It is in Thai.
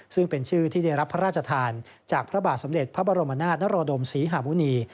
ซึ่งเป็นชื่อที่ได้รับพระราชทานจากพระบาทสมเด็จพระบรมนาศนโรดมศรีหามุณี